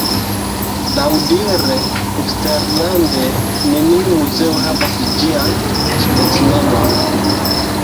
Laŭdire, eksterlande neniu muzeo havas ĝian specimenon.